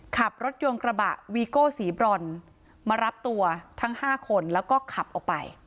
ขับรถยนต์กระบะวีโก้สีบรอนมารับตัวทั้ง๕คนแล้วก็ขับออกไป